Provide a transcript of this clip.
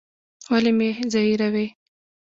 ولي مي زهيروې؟